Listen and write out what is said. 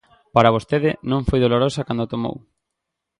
Para vostede non foi dolorosa cando a tomou.